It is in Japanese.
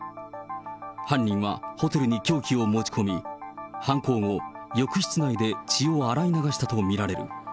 犯人はホテルに凶器を持ち込み、犯行後、浴室内で血を洗い流したとみられる。